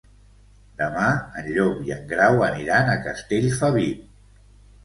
Demà en Llop i en Grau aniran a Castellfabib.